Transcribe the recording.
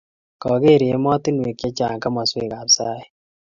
koker emotinwek che chang' komoswekab saet.